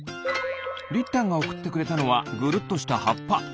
りったんがおくってくれたのはぐるっとしたはっぱ。